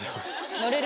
乗れる？